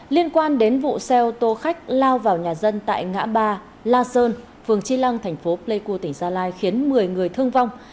liên quan đến vụ xe ô tô khách lao vào nhà dân tại ngã ba la sơn phường chi lăng thành phố pleiku tỉnh gia lai khiến một mươi người thương vong